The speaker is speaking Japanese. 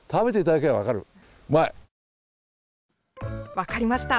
分かりました。